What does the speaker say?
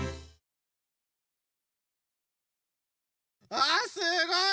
あすごい！